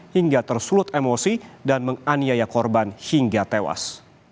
hingga tersulut emosi dan menganiaya korban hingga tewas